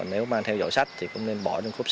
nếu mang theo dõi sách thì cũng nên bỏ trong khúc xe